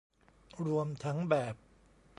รวมทั้งแบบ